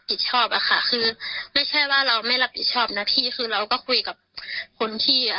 ชอบอะค่ะคือไม่ใช่ว่าเราไม่รับผิดชอบนะพี่คือเราก็คุยกับคนที่อ่ะ